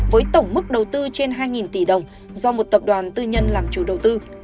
với tổng mức đầu tư trên hai tỷ đồng do một tập đoàn tư nhân làm chủ đầu tư